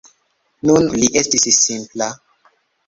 Nun li estis simpla.